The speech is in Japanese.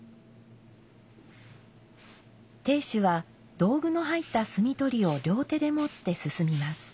亭主は道具の入った炭斗を両手で持って進みます。